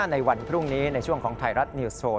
ในวันพรุ่งนี้ในช่วงของไทยรัฐนิวส์โชว์